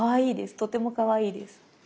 とてもかわいいです。